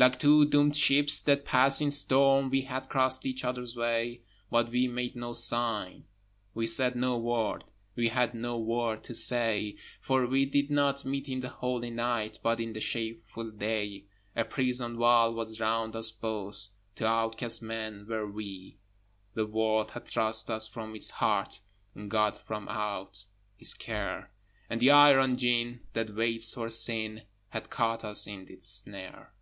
Like two doomed ships that pass in storm We had crossed each other's way: But we made no sign, we said no word, We had no word to say; For we did not meet in the holy night, But in the shameful day. A prison wall was round us both, Two outcast men were we: The world had thrust us from its heart, And God from out His care: And the iron gin that waits for Sin Had caught us in its snare.